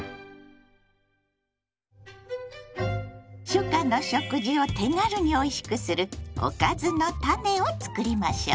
初夏の食事を手軽においしくする「おかずのタネ」を作りましょう。